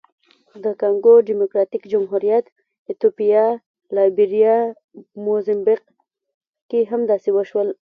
د کانګو ډیموکراتیک جمهوریت، ایتوپیا، لایبیریا، موزمبیق کې هم داسې وشول.